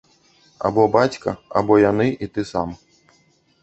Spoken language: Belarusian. Або бацька, або яны і ты сам.